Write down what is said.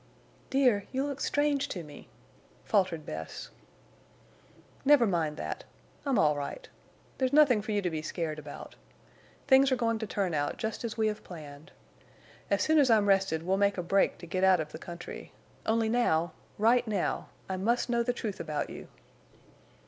"Dear—you look strange to me!" faltered Bess. "Never mind that. I'm all right. There's nothing for you to be scared about. Things are going to turn out just as we have planned. As soon as I'm rested we'll make a break to get out of the country. Only now, right now, I must know the truth about you."